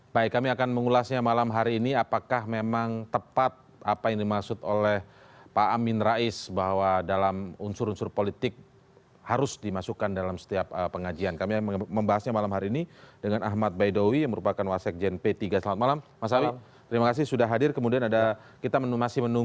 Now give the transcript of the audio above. pertanyaan yang menangis terima kasih